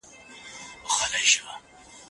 موږ د سياست په اړه نوي نظرونه لټوو.